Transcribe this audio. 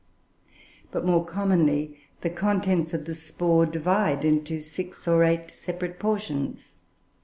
But, more commonly, the contents of the spore divide into six or eight separate portions.